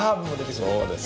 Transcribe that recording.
そうです。